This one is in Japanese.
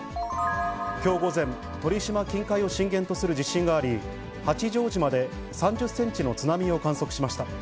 きょう午前、鳥島近海を震源とする地震があり、八丈島で３０センチの津波を観測しました。